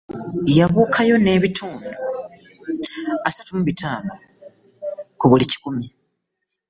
Yabuukayo n'ebitundu asatu mu bitaano ku buli kikumi